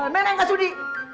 nenek gak sudi